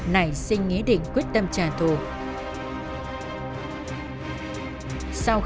này xin nghỉ điện bà phương